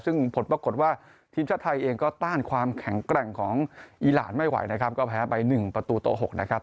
ซึ่งผลปรากฏว่าทีมชาติไทยเองก็ต้านความแข็งแกร่งของอีหลานไม่ไหวนะครับก็แพ้ไป๑ประตูต่อ๖นะครับ